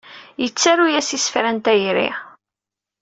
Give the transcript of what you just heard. Yettaru-as isefra n tayri.